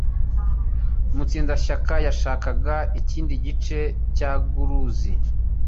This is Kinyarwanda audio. Mutsindashyaka yashakaga ikindi gice cya garuzi.